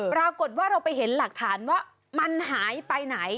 ปรากฏว่าเราไปเห็นหลักฐานว่ามันหายไปไหน